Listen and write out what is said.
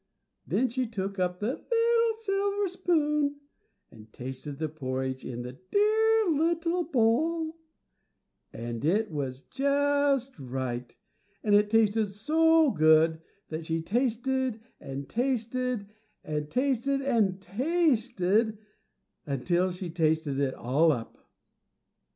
Then she took up the little silver spoon and tasted the porridge in the dear little bowl, and it was just right, and it tasted so good that she tasted and tasted, and tasted and tasted until she tasted it all up.